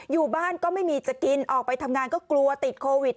อยู่บ้านก็ไม่มีจะกินออกไปทำงานก็กลัวติดโควิด